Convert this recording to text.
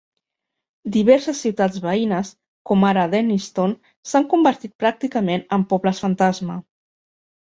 Diverses ciutats veïnes, com ara Denniston, s'han convertit pràcticament en pobles fantasma.